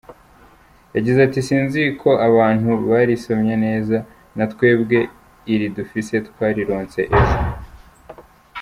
Yagize ati: "Sinzi ko abantu barisomye neza, na twebwe iri dufise twarironse ejo.